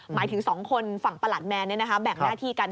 หมายถึง๒คนฝั่งประหลัดแมนเนี่ยนะครับแบ่งหน้าที่กัน